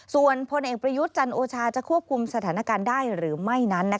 ส่วนพลเอกประยุทธ์จันโอชาจะควบคุมสถานการณ์ได้หรือไม่นั้น